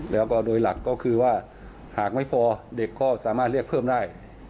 แล้วก็โดยหลักก็คือว่าหากไม่พอเด็กก็สามารถเรียกเพิ่มได้